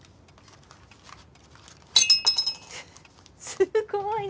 すごい！